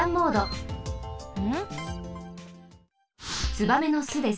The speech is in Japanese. ツバメの巣です。